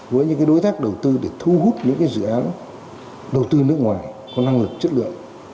với những đối tác đầu tư để thu hút những dự án đầu tư nước ngoài có năng lực chất lượng